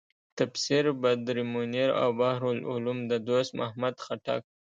تفسیر بدرمنیر او بحر العلوم د دوست محمد خټک.